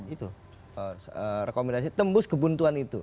itu rekomendasi tembus kebuntuan itu